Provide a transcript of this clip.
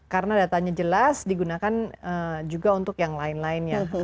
karena datanya jelas digunakan juga untuk yang lain lain ya